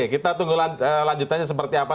kita tunggu lanjut aja seperti apa